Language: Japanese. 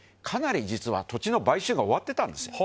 覆実は土地の買収が終わってたんですよ。